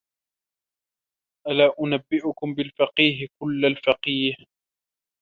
أَلَا أُنَبِّئُكُمْ بِالْفَقِيهِ كُلِّ الْفَقِيهِ